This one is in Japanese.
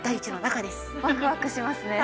ワクワクしますね